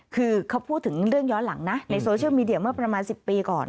คือเขาพูดถึงเรื่องย้อนหลังนะในโซเชียลมีเดียเมื่อประมาณ๑๐ปีก่อน